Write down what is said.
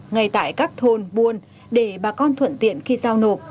ngay tại các thôn buôn để bà con thuận tiện khi giao nộp